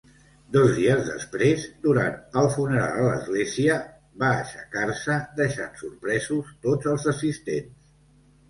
Dos dies després, durant el funeral a l'església, va aixecar-se, deixant sorpresos tots els assistents.